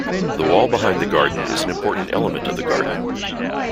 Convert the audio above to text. The wall behind the garden is an important element of the garden.